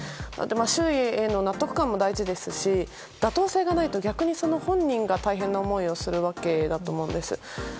周囲への納得感も大事ですし妥当性がないと逆に本人が大変な思いをするわけです。